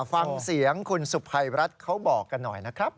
ฟังเสียงคุณสุภัยรัฐเขาบอกกันหน่อยนะครับ